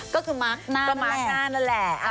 ก็คือมาสหน้านั่นแหละ